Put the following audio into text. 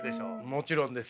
もちろんです。